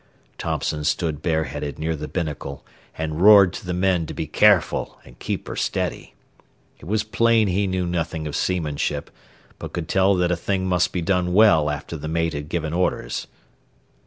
Thompson stood bareheaded near the binnacle, and roared to the men to be careful and keep her steady. It was plain he knew nothing of seamanship, but could tell that a thing must be done well after the mate had given orders.